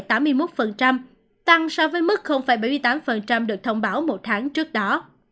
tỷ lệ tử vong ở mức tám mươi một tăng so với mức bảy mươi tám được thông báo một tháng trước đó